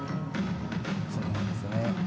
そうなんですよね。